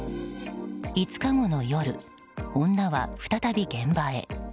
５日後の夜、女は再び現場へ。